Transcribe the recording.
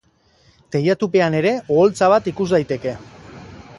Teilatupean ere oholtza bat ikus daiteke.